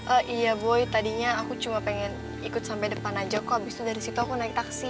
oh iya buy tadinya aku cuma pengen ikut sampai depan aja kok abis itu dari situ aku naik taksi